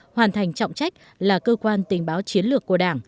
hoàn thành trọng trách là cơ quan tình báo chiến lược của đảng